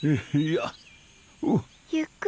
ゆっくりね。